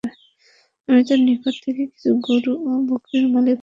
আমি তার নিকট থেকে কিছু গরু ও বকরীর মালিক হলাম।